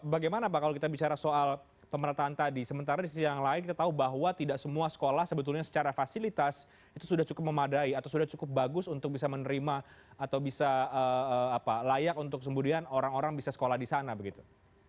bagaimana pak kalau kita bicara soal pemerataan tadi sementara di sisi yang lain kita tahu bahwa tidak semua sekolah sebetulnya secara fasilitas itu sudah cukup memadai atau sudah cukup bagus untuk bisa menerima atau bisa layak untuk kemudian orang orang bisa sekolah di sana begitu